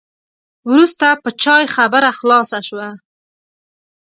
وروسته په چای خبره خلاصه شوه.